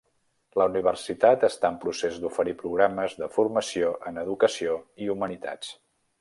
La Universitat està en procés d'oferir programes de formació en educació i humanitats.